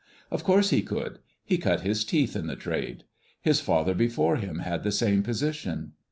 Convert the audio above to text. Of course he could; he cut his teeth in the trade. His father before him had the same position.